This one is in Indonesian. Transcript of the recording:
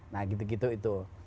nah gitu gitu itu